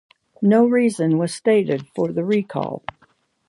No reason was stated for the recall.